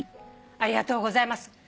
ありがとうございます。